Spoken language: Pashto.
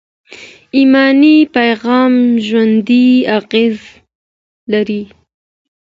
ایماني پیغام ژوندي اغېز لري.